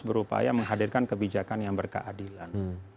berupaya menghadirkan kebijakan yang berkeadilan